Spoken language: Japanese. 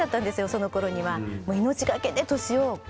そのころには。